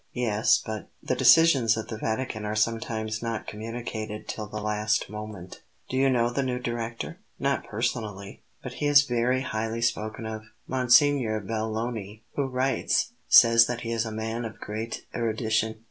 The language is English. "Yes; but The decisions of the Vatican are sometimes not communicated till the last moment." "Do you know the new Director?" "Not personally; but he is very highly spoken of. Monsignor Belloni, who writes, says that he is a man of great erudition."